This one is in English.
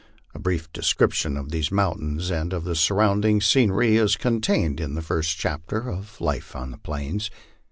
A brief description of these mountains and of the surrounding scenery is con tained in the first chapter of " Life on the Plains."